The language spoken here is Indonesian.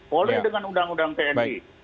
boleh dengan undang undang tni